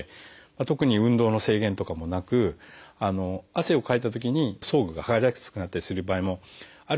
特に運動の制限とかもなく汗をかいたときに装具がはがれやすくなったりする場合もあるんですけども